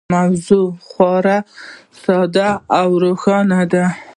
موضوع خورا ساده او روښانه ده.